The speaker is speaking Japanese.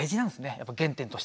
やっぱ原点として。